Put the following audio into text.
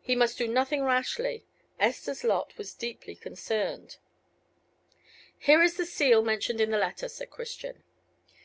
He must do nothing rashly. Esther's lot was deeply concerned. "Here is the seal mentioned in the letter," said Christian. Mr.